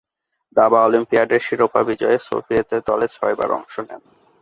দাবা অলিম্পিয়াডের শিরোপা বিজয়ে সোভিয়েত দলে ছয়বার অংশ নেন।